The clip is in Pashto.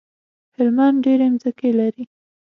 هلمند ډيری مځکی لری